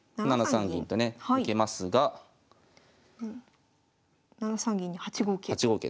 ７三銀とね受けますが７三銀に８五桂。